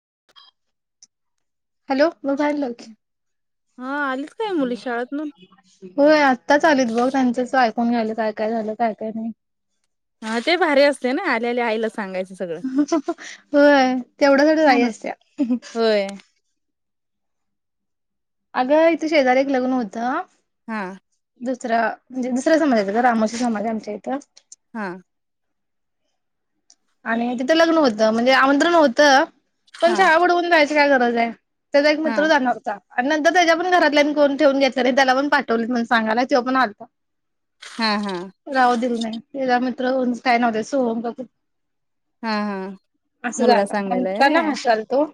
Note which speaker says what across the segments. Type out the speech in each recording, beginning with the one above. Speaker 1: [inaudible]
Speaker 2: Hello म जाईलच [unintelligible]
Speaker 1: हा आलीत काय मुली शाळेतनुन?
Speaker 2: होय आत्ताच आलीत बघ त्यांचच आयकुन घ्यायलोय काय -काय झालं काय -काय नाही.
Speaker 1: हा ते भारी असतय ना आल्याल्या आईला सा
Speaker 2: [inaudible] हं हं होय तेवढ्यासाठीचं आई
Speaker 1: छान असत
Speaker 2: असत्या हं हं
Speaker 1: होय
Speaker 2: [inaudible] अगं इथं शेजारी एक लग्न होतं
Speaker 1: हा
Speaker 2: दुसरा म्हणजे दुसऱ्या समाजाचं गं रामोशी समाज आहे आमच्या इथं
Speaker 1: हा
Speaker 2: आणि म तिथं लग्न होत म्हणजे आमंत्रण होत पण
Speaker 1: हा
Speaker 2: शाळा बुडवून जायची काय गरज आहे त्याचा एक
Speaker 1: हा
Speaker 2: मित्र जाणार होता आणि नंतर त्याच्या पण घरातल्यानीं कोण ठेवून घेतलं नाही त्याला पण पाठवलीत म्हणून सांगायला त्यो पण आलता
Speaker 1: हा हा
Speaker 2: राहू दिल नाही त्याचा मित्र कोण काय नाव त्याच सोहम का कोण?
Speaker 1: हा हा
Speaker 2: असं
Speaker 1: मुलगा
Speaker 2: झालं
Speaker 1: सांगायलाय
Speaker 2: म्हणताना हासाल तो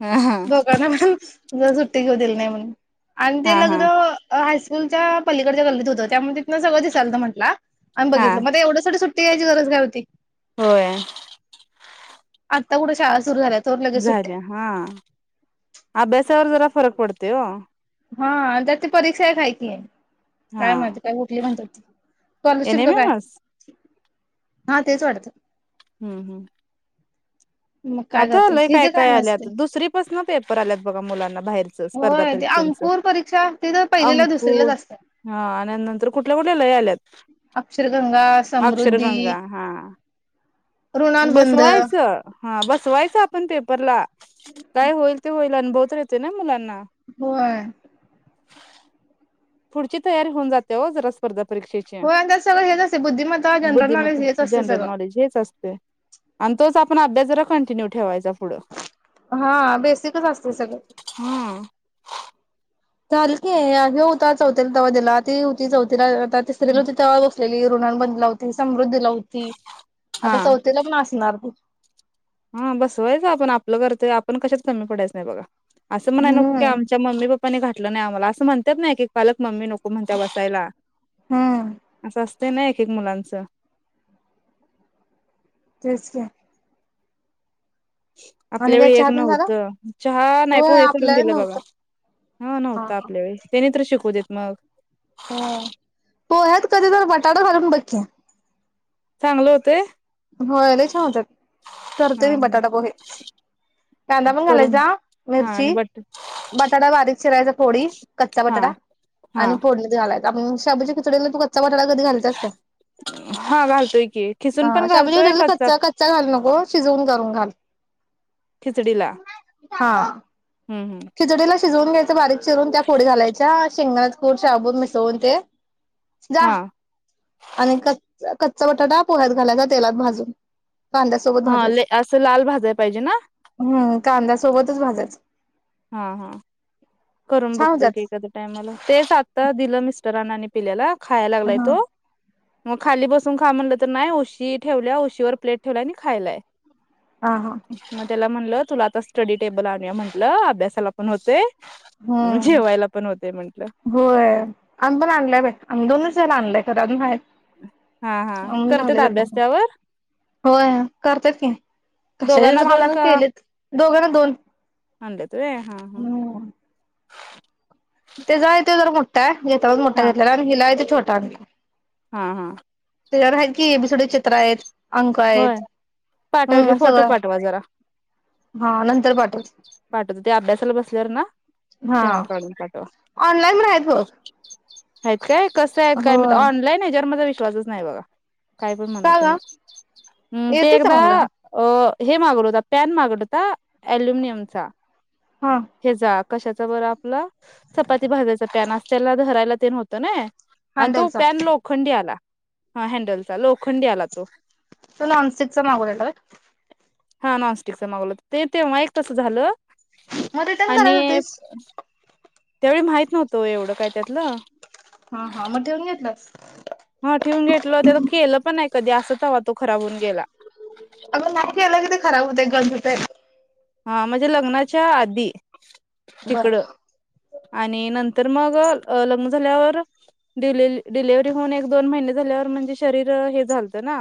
Speaker 1: व्हय हा
Speaker 2: दोघांना पण उद्या सुट्टी घेऊ दिली नाही म्हणून, आणि ते
Speaker 1: हा हा
Speaker 2: लग्न
Speaker 1: हा
Speaker 2: अ हायस यस्कूलच्या पलीकडच्या गल्लीत होत. त्यामूळ तिथंन सगळं दिसालत म्हटला आम्ही
Speaker 1: हा
Speaker 2: बघितलं मग, आता एव्हढ्यासाठी सुट्टी ट्टी घ्यायची गरज काय होती?
Speaker 1: होय.
Speaker 2: आता कुठे शाळा सुरू झाल्यात.
Speaker 1: झाल्या हा आभ्यासावर जरा फरक पडतोय ओं.
Speaker 2: हा आणि त्यात ती परीक्षा एक हाये कि.
Speaker 1: हा
Speaker 2: काय माहिती काय उठली म्हणतात ती.
Speaker 1: एन
Speaker 2: स्कॉलरशीप
Speaker 1: एम
Speaker 2: क काय?
Speaker 1: एम एस
Speaker 2: हा तेच वाटतं.
Speaker 1: हम्म हम्म.
Speaker 2: मग काय
Speaker 1: आता
Speaker 2: करतेस
Speaker 1: लय काय
Speaker 2: हिजे
Speaker 1: काय
Speaker 2: नसते.
Speaker 1: आल्यात. दुसरी पासन पेपर आल्यात बघा मुलांना बाहेरच स्पर्धा परिक्षेंच.
Speaker 2: पूर्व परीक्षा ती तर पहिलीला दुसरीलाच असत्या.
Speaker 1: हां आणि नंतर कुठल्या कुठल्या लय आल्यात.
Speaker 2: अक्षरगंगा, समृद्धी,
Speaker 1: अक्षरगंगा हां
Speaker 2: ऋणानुबंध
Speaker 1: बसवायचं. हा बसवायचं आपण पेपरला काय होईल ते होईल अनुभव तर येतोय ना मुलांना.
Speaker 2: होय.
Speaker 1: पुढची तयारी होऊन जाते ओ जरा स्पर्धा परीक्षेची
Speaker 2: होय आणि त्यात सगळं हेच असते बुद्धिमत्ता जनरल नॉलेज
Speaker 1: बुद्धिमत्ता
Speaker 2: हेच असते
Speaker 1: जनरल
Speaker 2: सगळं.
Speaker 1: नॉलेज हेच असतय. आणि तोच आपण अभ्यास जरा कंटिन्यु ठेवायचा पुढं.
Speaker 2: हा बेसिकच असतय सगळं ते.
Speaker 1: हा
Speaker 2: झाल की ह्यो होता चौथीला तवा दिला, ती होती चौथीला आता तिसरीला होती तवा तेली ऋणानुबंध होती, समृद्धीला होती
Speaker 1: हा
Speaker 2: आता, चौथीला पण असणार बुक
Speaker 1: हा बसवायचं आपण आपलं कर्तव्य आपण कशात कमी पडायचं नाही बघा. आसं म्हणाया नको की
Speaker 2: हम्म
Speaker 1: आमच्या मम्मी पप्पाने घातलं नाही आम्हाला, असं म्हणत्यात न एक एक पालक मम्मी नको म्हणत्या बसायला
Speaker 2: हम्म
Speaker 1: असं असत ते नाही एकक मुलांचं.
Speaker 2: तेच की. आणि
Speaker 1: आपल्या
Speaker 2: काय
Speaker 1: वेळी एक
Speaker 2: चहा तेन झाला?
Speaker 1: नव्हतं. चहा नाही
Speaker 2: होय
Speaker 1: पोहे करून
Speaker 2: आपल्याला
Speaker 1: दिलं बघा.
Speaker 2: नव्हतं.
Speaker 1: हां
Speaker 2: हा
Speaker 1: नव्हता आपल्या वेळी त्यानी तर शिकवू देत मगं.
Speaker 2: हो पोह्यात कधी तर, बटाटा घालून बघ की.
Speaker 1: चांगलं होतंय.
Speaker 2: हो लै छान होत्यात करते
Speaker 1: हा
Speaker 2: मी बटाटा पोहे. कांदा पण
Speaker 1: करून
Speaker 2: घालायचा
Speaker 1: हा
Speaker 2: मिरची,
Speaker 1: आणि बट
Speaker 2: बटाटा बारीक चिरायचा फोडी कच्चा
Speaker 1: हा
Speaker 2: बटाटा
Speaker 1: हा
Speaker 2: आणि फोडणीत घालायचा आप शाबुच्या खिचडीला तू कच्चा ब
Speaker 1: हा घालतोय की खिसून
Speaker 2: हं
Speaker 1: पण
Speaker 2: शाबूच्या
Speaker 1: घालतोय
Speaker 2: खिचडीला कच्चा कच्चा घालू नको शिजवून करून घाल.
Speaker 1: खिचडीला.
Speaker 2: हां.
Speaker 1: हम्म हम्म.
Speaker 2: शिजवून घ्यायचं बारीक चिरून त्या फोडी घालायच्या शेंगणाच कूट शाबूत मिसवून ते जा
Speaker 1: हा
Speaker 2: आणि कच कच्चा बटाटा पोह्यात घालायचा तेलात भाजून. कांद्या सोबत
Speaker 1: हा ले
Speaker 2: भाजायच,
Speaker 1: असं लाल भाजाय पाहिजे ना
Speaker 2: हम्म कांद्या सोबतच भाजायचं.
Speaker 1: हां हां. करून
Speaker 2: छान
Speaker 1: बघतोय
Speaker 2: होत्यात.
Speaker 1: की एखाद्या टाइमला तेच आता दिलं मिस्टरानां आणि पिल्याला. खाया लागलाय
Speaker 2: हा
Speaker 1: तो. मग खाली बसून खा म्हणलं तर, नाही उशी ठेवल्या उशीवर प्लेट ठेवलाय आणि खायलाय.
Speaker 2: हा हा
Speaker 1: म त्याला म्हणल तुला आता स्टडी टेबल आणूया म्हटलं अभ्यासाला पण होतंय
Speaker 2: हम्म होय आमी पण आणलंय बाई आमी दोन वर्ष झालयं आणलंय. तर अजून हायचं.
Speaker 1: हां हां करतेेत आभ्यास त्यांवर?
Speaker 2: होय करतात की कशा
Speaker 1: दोघांना
Speaker 2: मला केलेत दोघंना दोन
Speaker 1: अांड तु हा हा
Speaker 2: तेचा येत तर मोठा आहे घेता मोठा
Speaker 1: हा
Speaker 2: घेतलेला आणि हिला येतो छोटा आण
Speaker 1: हा हा
Speaker 2: त्यावर आहेत की बी थोडे चित्र आहेत अंक
Speaker 1: होय
Speaker 2: आहेत
Speaker 1: पाठव की
Speaker 2: हम्
Speaker 1: फोटो
Speaker 2: सगळं
Speaker 1: पाठवा जरा
Speaker 2: हा नंतर पाठवच
Speaker 1: पाठवत ते अभ्यासाला बसल्यावर ना तेव्हा काढून पाठवा
Speaker 2: कायम राय हो
Speaker 1: आहेत काय कसं आहेत काय म ऑनलाईन हच्यावर मझा विश्वासच नाही बघा काय पण म्हणा
Speaker 2: का ग
Speaker 1: तुम्ही हम् ते
Speaker 2: येते
Speaker 1: एकदा
Speaker 2: चांगलं
Speaker 1: अ हे मागड होता पॅन मागला होता अल्युमिनियमचा
Speaker 2: हा
Speaker 1: हे जाग कशाच बर आपला चपाती भाजायचा पॅन अस त्याला धरायला ते न होतं ना आणि तो
Speaker 2: हँडलचा
Speaker 1: पॅन लोखंडी आला हा हँडलचा लोखंडी आला तो
Speaker 2: चला अन सिक चम मागदल
Speaker 1: हा नॉनस्टिकच मागवलं ते तेव्हा एक तसं झालं
Speaker 2: मग रिटर्न
Speaker 1: आणि
Speaker 2: करायला होतीस
Speaker 1: त्यावेळी माहित नव्हतो एवढं काय त्यातलं
Speaker 2: हा हा म ठठीऊन जाेतलं
Speaker 1: हा ठेवून घेतल त्या खेळलं पणय कधी असंच हवा तो खराब होन
Speaker 2: अणकी अलाग ते खराब होत गध होते
Speaker 1: हा माझ्या लग्नाच्या आधी
Speaker 2: बर.
Speaker 1: तिकड आणि नंतर झाड्ह हो हे झालतं ना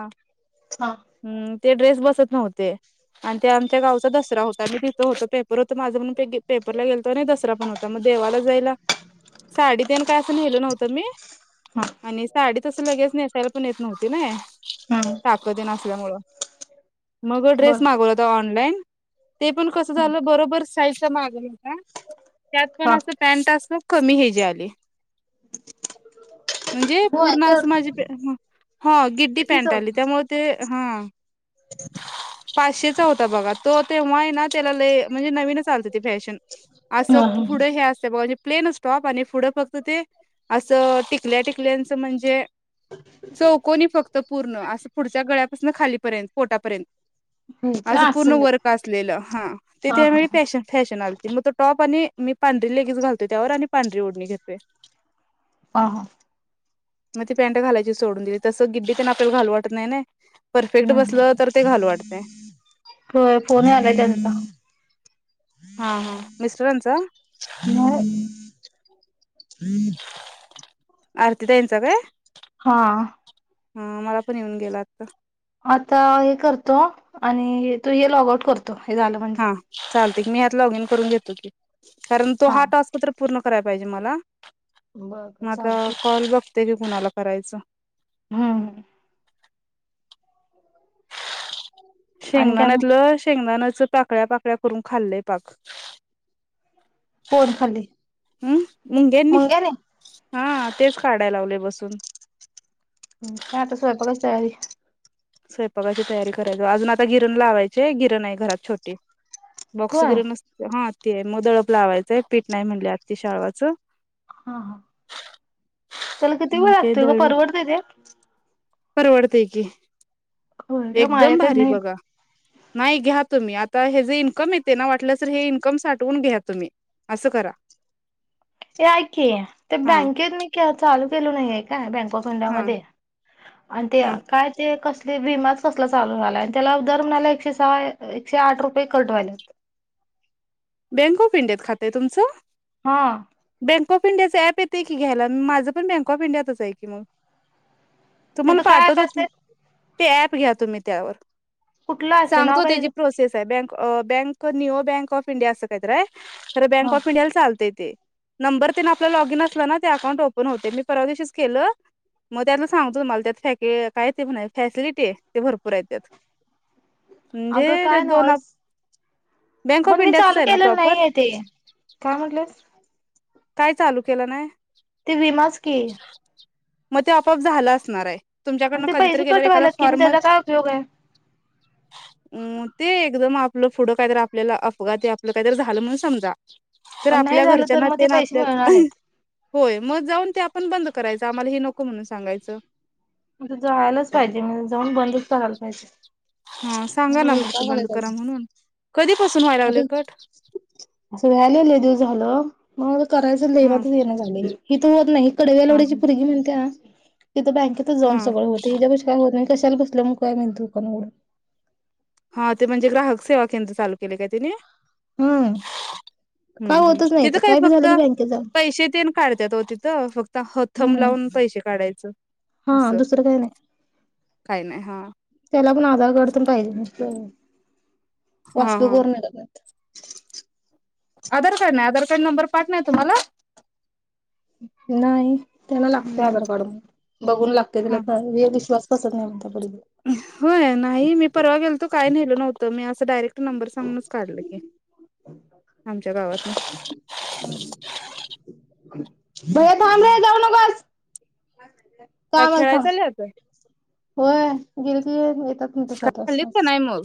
Speaker 2: हा
Speaker 1: हम्म ते ड्रेस बसत नव्हते आणि ते आमच्या गावचात दसरा होता आणि तिचंतं पेपर होत माझं म्हण पेपरला गेलतो ना नाही दसरा पण होता मग देवाला जायला साडी देन काय असं नेल नव्हतं मी
Speaker 2: हा
Speaker 1: आणि साडी तसं लगेच न त्याला पण येत नव्ह ना
Speaker 2: हम्म
Speaker 1: ताकदी नसल्यामुळं मग
Speaker 2: बर
Speaker 1: ड्रेस मागवलाता ऑनलाइन ते पण कस झालं बरोबर साईजचा माग होता त्यात पण
Speaker 2: हा.
Speaker 1: असं पॅन्ट असं कमी हेजे आले म्हणजे
Speaker 2: हो
Speaker 1: पूर्ण अस
Speaker 2: याच्यावर
Speaker 1: माझी ह गिडडी
Speaker 2: कितीच
Speaker 1: पॅन्ट
Speaker 2: होत.
Speaker 1: आली त्यामुळे ते हा
Speaker 2: [unintelligible]
Speaker 1: आशेचा होता बघा तो तेव्हा आहे ना त्याला ल म्हणजे नवीन चालत ते फॅशन
Speaker 2: ह
Speaker 1: असं पुढे हे असतं बा म्ह प्लेन स्टॉप आणि पुढं फक्त ते असं टिकल्या टिकल्याचं म्हणजे चौकोणी फक्त पूर्ण असं पुढच्या गळ्यापासून खालीपर्यंत पोटापर्यंत
Speaker 2: ह अससले
Speaker 1: असले हा ते त्याळी फॅश फॅशन आ मग त टॉप प मी पांढरी ललेगेच घालतोय त्यावर आणि पांढरी ओढणी घेतोय
Speaker 2: ह
Speaker 1: मग ती पॅन्ट घालायची सोडून दिली तसं गिड्डी ते आपल्याला घाल वाटत नाही ना परफेक्ट बसलं तर ते घाल वाटते
Speaker 2: कोोन आलाय त्यांचा
Speaker 1: हा हा मिस्टरांचा
Speaker 2: हम्म
Speaker 1: आरती दयन स का
Speaker 2: हा
Speaker 1: हा मला पण येऊन गेलातता
Speaker 2: आता हे करतो आणि तू हे लॉग आउट करतो हे झालं म्हणजे
Speaker 1: हा चालतय मी ह्यात लॉग इन करून घेत होते कारण तो हा टास्क तर पूर्ण कराय पाहिजे मला
Speaker 2: बर बर
Speaker 1: मग आता
Speaker 2: चालतय
Speaker 1: कॉल बघते की कुणाला करायचं
Speaker 2: हम् ह आणि काय मग
Speaker 1: शेंगदाण्यातलं शेंगदाानच पाकड्या पाकड्या करून खाल्ले पाक
Speaker 2: फोन खाली
Speaker 1: हम् मुंग्यांनी
Speaker 2: मंग्याने
Speaker 1: हा तेच काढायला लावलोय बसून.
Speaker 2: त्याता स्वयंपाकांची तयारी
Speaker 1: स्वयंपाकाची तयारी करायची अजून आता गिरण लावायचे गिरण आहे घरात छोटे बॉक्स
Speaker 2: होय
Speaker 1: वगैरे नसते हा ते आहे मदळाप लावायचंय पीठ नाही म्हणली आती शाळवाचं.
Speaker 2: हा ह त्याला किती वेळ लागतोय का परवडत ते
Speaker 1: परवडतय की
Speaker 2: होय ग
Speaker 1: एकदम
Speaker 2: माझ्याकड
Speaker 1: भारी
Speaker 2: नाही.
Speaker 1: बघा नाही घ्या तुम्ही आता हे जे इन्कम येते ना वाटलं तर हे इन्कम साठवून घ्या तुम्ही असं करा.
Speaker 2: ऐक ते
Speaker 1: हा
Speaker 2: बँकेत मी चालू केलो नाहीये काय बँक ुंडा
Speaker 1: हा
Speaker 2: म आणि ते
Speaker 1: हा
Speaker 2: काय ते कस विमाच कसला चालू झाला त्याला दर म्हणाला एकशे सहा एकशे आठ रुपये कटवायलेत
Speaker 1: बँक ऑफ इंडियात खातं आहे तुमचं
Speaker 2: हा.
Speaker 1: बक ऑफ इंडियाचं अँप येतंय की घायला माझं पण बँक ऑफ इंडियाच आहे की मग तुम्हाला
Speaker 2: तिथं काय ऍप
Speaker 1: पाठवत हो
Speaker 2: असतय?
Speaker 1: ते ऍप घ्या तुम्ही त्यावर,
Speaker 2: कुठलं असतय नाव
Speaker 1: सांगतो
Speaker 2: काय
Speaker 1: त्याची
Speaker 2: त्याचं?
Speaker 1: प्रोसेस आहे बँक बँक न्यूओ बँक ऑफ इंडिया असं काहीत राय तर बँक
Speaker 2: हा
Speaker 1: ऑफ इंडियाला चालतेय. ते नंबर तेन आपला लॉगइन असला ना ते अउंट ओपन होते मी परवा दिवशीच केलं. मग त्यातला सांगतो तुम्हाला त्यात फॅक काय ते फॅसिलिटी आहे ते भरपूर आहे त्यात.
Speaker 2: अगं
Speaker 1: म्हणजे
Speaker 2: काय
Speaker 1: दोन आप,
Speaker 2: नव्हच
Speaker 1: बँक ऑफ
Speaker 2: पण मी
Speaker 1: इंडिया
Speaker 2: चालू केलेलं नाहीय ते काय म्हटलंस.
Speaker 1: काय चालू केलं नाही.
Speaker 2: ते विमाच की.
Speaker 1: मग ते आपआप झालं असणार हाय.
Speaker 2: आणि
Speaker 1: तुमच्याकडन
Speaker 2: ते
Speaker 1: कधीतरी
Speaker 2: पैसे
Speaker 1: गेल्या
Speaker 2: कट
Speaker 1: एखादा
Speaker 2: व्हायल्यात की मग
Speaker 1: फॉर्म,
Speaker 2: त्याचा काय उपयोग आहे?
Speaker 1: ते भरून आपलं पुढं काहीत आपल्याला अपघाती आपलं काहीतरी झालं म्हणून समजा.
Speaker 2: अन नाही झालं तर मग ते पैसे
Speaker 1: आपल,
Speaker 2: मिळणार नाहीत.
Speaker 1: हो मग जाऊन ते आपण बंद करायच आमाला हे नको म्हणून सांगायचं
Speaker 2: आता जायालाच पाहिजे म्हणजे जाऊन बंदच करायला पाहिजे.
Speaker 1: हा सांगा
Speaker 2: मला
Speaker 1: ना मी ती
Speaker 2: वैताग आलाय
Speaker 1: बंद करा
Speaker 2: त्याचा
Speaker 1: म्हणून कधी
Speaker 2: आता असं झालं लयदिवस झालं मग करायचं
Speaker 1: हा
Speaker 2: लैरातच येण झाले ही तू होत नाही ही कडव्या
Speaker 1: हा
Speaker 2: लवड्याची पुरगी म्हणत्या तिथं बँकेतच जाऊन
Speaker 1: हा
Speaker 2: सगळंतं होतय हेत कस काय होत नाही, कश्याला बसल्या मग काय दुकान वाढवून.
Speaker 1: हा ते म्हणजे ग्राहक सेवा केंद्र चालू केले काय तुमी.
Speaker 2: हम्म
Speaker 1: हम्म
Speaker 2: काय
Speaker 1: हम्म
Speaker 2: होतच नाही
Speaker 1: तिथं
Speaker 2: इथं
Speaker 1: काय
Speaker 2: बी
Speaker 1: फक्त
Speaker 2: झालं की बँकेत जावा
Speaker 1: पैसे तेन काढते त्यात ओ फक्त ह थम
Speaker 2: हम्म
Speaker 1: लावून पैशे काढायच
Speaker 2: हा
Speaker 1: अस.
Speaker 2: दुसरं काही नाही
Speaker 1: काही नाही हा.
Speaker 2: त्याला पण आधार कार्ड तेन पाहिजे म पास
Speaker 1: हा
Speaker 2: बुक
Speaker 1: हा
Speaker 2: वर मिळत न्हाय
Speaker 1: आधार कार्ड नाही आधार कार्ड नंबर पाठणार तुम्हाला.
Speaker 2: नाही. त्याना लागते आधार कार्ड म्हणून बघून लागते
Speaker 1: ह
Speaker 2: त्याला विश्वास बसत नाही म्हणत्या तरी ते.
Speaker 1: होय नाही मी परवा गेलतो काय नेल नव्हतं मी असं डायरेक्ट नंबर सांगूनच काढल की आमच्या गावातन. [inaudible]
Speaker 2: भैया थांब रे जाऊ नगस.
Speaker 1: काय खेळाय चालल्यात.
Speaker 2: होय गेल की येतात म ते सात
Speaker 1: खाल्लीत का
Speaker 2: वाजताच.
Speaker 1: नाही मग?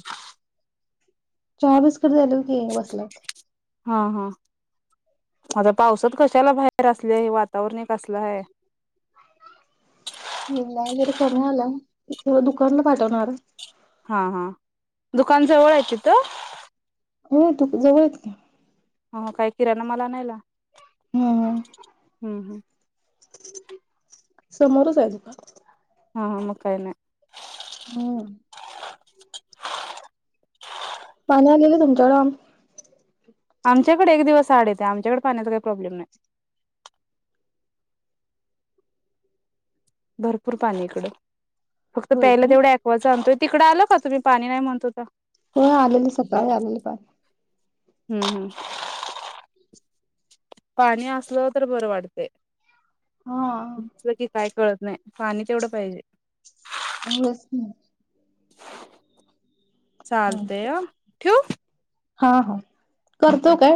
Speaker 2: चहा बिस्कीट झालय की बसल्यात.
Speaker 1: हा हा आता पावसात कशाला बाहेर असले हे वातावरण कसलं हाय. [unintelligible]
Speaker 2: म नाय जर कमी आला तेला दुकानला पाठवणार.
Speaker 1: हा हा दुकान जवळ हाय तीत.
Speaker 2: हो तीत जवळय तीत.
Speaker 1: हा काय किराण माल आणायला
Speaker 2: हं हां
Speaker 1: हूं हूं
Speaker 2: समोरच आहे दुकान.
Speaker 1: हा मग काय नाय.
Speaker 2: होय. पाणी आलेल तुमच्याकड
Speaker 1: आमच्याकडे एक दिवस आड येतय आमच्याकडे पाण्याचा काही प्रॉब्लेम नाय. भरपूर पाणी इकडं फक्त
Speaker 2: होय
Speaker 1: प्यायला
Speaker 2: का
Speaker 1: तेवढा ऍकवाच आणतो तिकडं आलं का तुम्ही पाणी नाय म्हणत होतो.
Speaker 2: हो आलेली सकाळी आलेले पाणी.
Speaker 1: हूं हूं, पाणी असलं तर बरं वाडतय.
Speaker 2: हा
Speaker 1: की काय कळत नाय पाणी तेवढं पाहिजे.
Speaker 2: होच न
Speaker 1: चालतेय अ ठेवू.
Speaker 2: हा हा करतो काय?